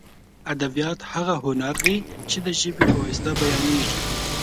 ادبیات هغه هنر دی چې د ژبې په واسطه بیانېږي.